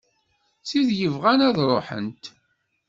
D tid yebɣan ad ruḥent.